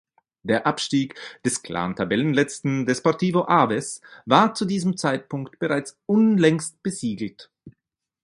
Der Abstieg des klaren Tabellenletzten Desportivo Aves war zu diesem Zeitpunkt bereits unlängst besiegelt.